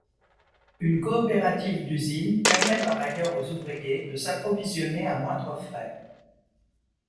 Une coopérative d’usine permet par ailleurs aux ouvriers de s’approvisionner à moindres frais.